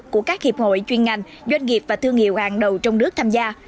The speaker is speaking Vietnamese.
của các hiệp hội chuyên ngành doanh nghiệp và thương hiệu hàng đầu trong nước tham gia